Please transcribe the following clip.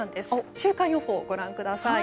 週間予報をご覧ください。